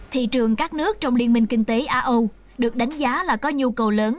thị trường các nước trong liên minh kinh tế á âu được đánh giá là có nhu cầu lớn